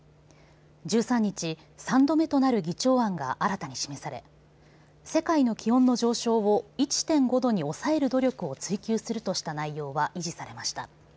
１３日、３度目となる議長案が新たに示され世界の気温の上昇を１．５度に抑える努力を追求するとした内容は維持されました。